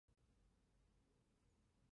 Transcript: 项目由兴业建筑师有限公司设计。